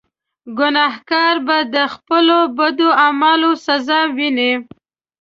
ګناهکار به د خپلو بدو اعمالو سزا ویني.